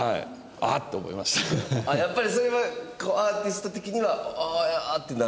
あっやっぱりそれはアーティスト的にはああっってなる？